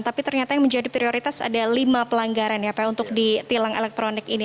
tapi ternyata yang menjadi prioritas ada lima pelanggaran ya pak untuk di tilang elektronik ini